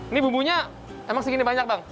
ini bumbunya emang segini banyak bang